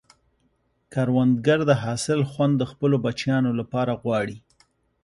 کروندګر د حاصل خوند د خپلو بچیانو لپاره غواړي